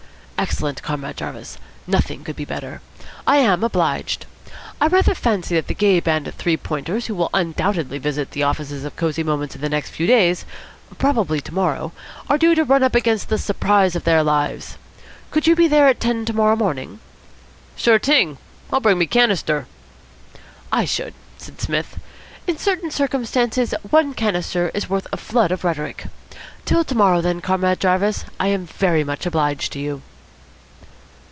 "Excellent, Comrade Jarvis. Nothing could be better. I am obliged. I rather fancy that the gay band of Three Pointers who will undoubtedly visit the offices of Cosy Moments in the next few days, probably to morrow, are due to run up against the surprise of their lives. Could you be there at ten to morrow morning?" "Sure t'ing. I'll bring me canister." "I should," said Psmith. "In certain circumstances one canister is worth a flood of rhetoric. Till to morrow, then, Comrade Jarvis. I am very much obliged to you."